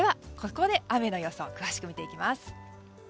雨の予想を詳しく見ていきます。